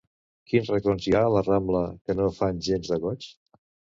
Quins racons hi ha a la Rambla que no fan gens de goig?